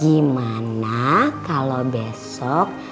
gimana kalau besok